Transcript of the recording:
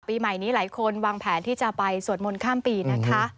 ปีใหม่นี้หลายคนวางแผนที่จะไปสวดมนต์ข้ามปีนะคะ